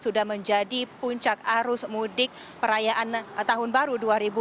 sudah menjadi puncak arus mudik perayaan tahun baru dua ribu dua puluh